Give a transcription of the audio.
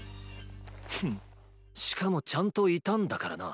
フンしかもちゃんといたんだからな。